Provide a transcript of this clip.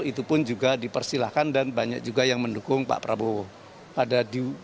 itu pun juga dipersilahkan dan banyak juga yang mendukung pak prabowo pada dua ribu sembilan belas